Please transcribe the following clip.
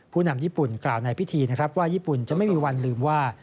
นำญี่ปุ่นกล่าวในพิธีนะครับว่าญี่ปุ่นจะไม่มีวันลืมว่า